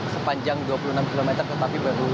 sepanjang dua puluh enam km tetapi baru